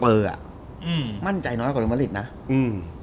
เพราะเรารู้สึกว่าชิ้นสเปอร์แม่งเอากูแน่